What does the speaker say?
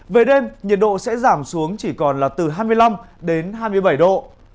về đêm nhiệt độ sẽ giảm xuống chỉ còn là từ hai mươi năm đến hai mươi bảy độ